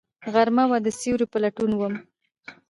غرمه وه، د سیوری په لټون وم